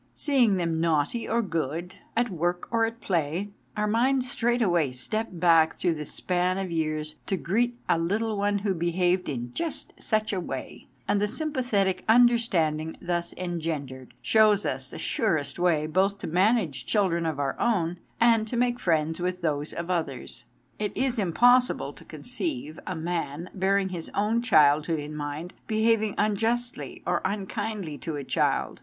Seeing them naughty or good, at work or at play, our minds straightway step back through the CHILDHOOD IN RETROSPECT 227 span of years to greet a little one who behaved in just such a way ; and the sympathetic understanding thus engendered, shows us the surest way, both to manage children of our own, and to make friends with those of others. It is impossible to conceive a man, bear ing his own childhood in mind, behaving unjustly or unkindly to a child.